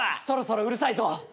そろそろうるさいぞ。